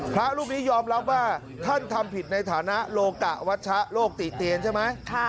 พระรูปนี้ยอมรับว่าท่านทำผิดในฐานะโลกะวัชชะโลกติเตียนใช่ไหม